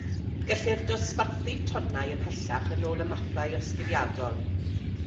Gellir dosbarthu tonnau ymhellach yn ôl y mathau osgiladol.